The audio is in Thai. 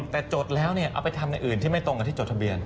แต่จดแล้วเอาไปทำอย่างอื่นที่ไม่ตรงกับที่จดทะเบียน